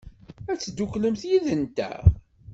Ad tedduklemt yid-nteɣ?